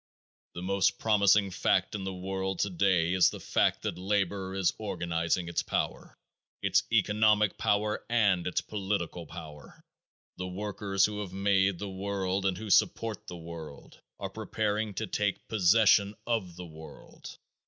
The most promising fact in the world today is the fact that labor is organizing its power; its economic power and its political power. The workers who have made the world and who support the world, are preparing to take possession of the world.